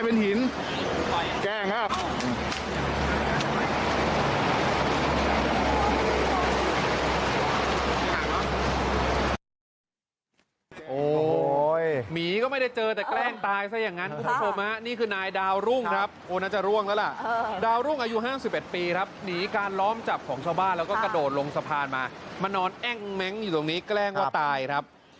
โอ้โหหมีก็ไม่ได้เจอแต่แกล้งตายซะอย่างนั้นคุณผู้ชมนี่คือนายดาวรุ่งครับโอ้น่าจะร่วงแล้วล่ะดาวรุ่งอายุ๕๑ปีครับหนีการล้อมจับของชาวบ้านแล้วก็กระโดดลงสะพานมามานอนแอ้งเม้งอยู่ตรงนี้แกล้งว่าตายครับ